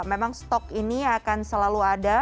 memang stok ini akan selalu ada